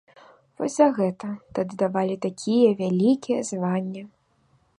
Вось за гэта тады давалі такія вялікія званні.